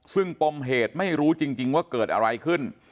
ซึ่งปมเหตุไม่รู้จริงว่าเกิดอะไรขึ้น